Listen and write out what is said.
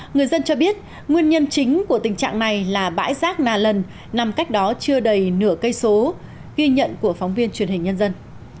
người dân cho biết nguyên nhân chính của tình trạng này là bãi rác nà lần cách đó chưa đầy nửa cây số ghi nhận của phóng viên truyền hình nhân dân